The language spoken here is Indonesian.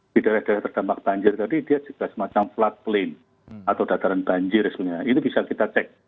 di daerah daerah terdampak banjir tadi dia juga semacam flood plain atau dataran banjir sebenarnya itu bisa kita cek